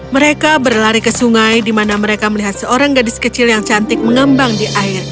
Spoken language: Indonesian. mereka berlari ke sungai di mana mereka melihat seorang gadis kecil yang cantik mengembang di air